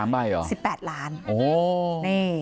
๓ใบเหรอ๑๘ล้าน